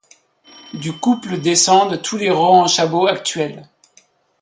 Du couple descendent tous les Rohan-Chabot actuels.